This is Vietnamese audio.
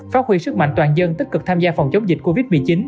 phát huy sức mạnh toàn dân tích cực tham gia phòng chống dịch covid một mươi chín